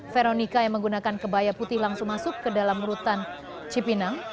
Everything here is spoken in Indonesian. veronica yang menggunakan kebaya putih langsung masuk ke dalam rutan cipinang